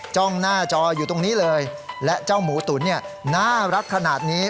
จ้องหน้าจออยู่ตรงนี้เลยและเจ้าหมูตุ๋นเนี่ยน่ารักขนาดนี้